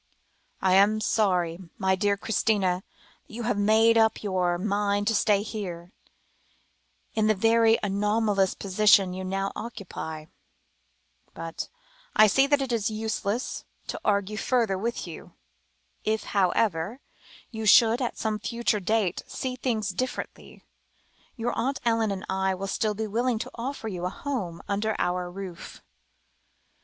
"I am sorry, my dear Christina, that you have made up your mind to stay here, in the very anomalous position you now occupy. But, I quite see that it is useless to argue further with you. If, however, you should, at some future date, see things differently, your Aunt Ellen and I will still be willing to offer you a home under our roof."